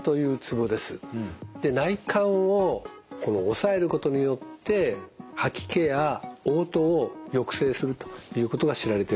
内関を押さえることによって吐き気やおう吐を抑制するということが知られています。